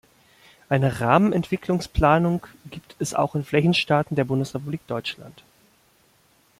Eine Rahmen-Entwicklungsplanung gibt es auch in Flächenstaaten der Bundesrepublik Deutschland.